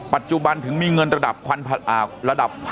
ปัจจุบันถึงมีเงินระดับ